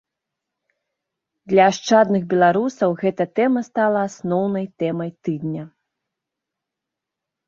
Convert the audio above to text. Для ашчадных беларусаў гэтая тэма стала асноўнай тэмай тыдня.